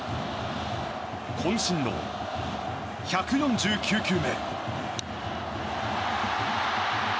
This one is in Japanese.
渾身の１４９球目。